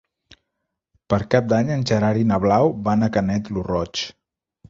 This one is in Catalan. Per Cap d'Any en Gerard i na Blau van a Canet lo Roig.